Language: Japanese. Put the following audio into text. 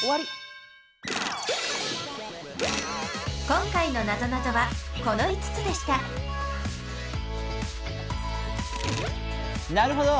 今回のなぞなぞはこの５つでしたなるほど。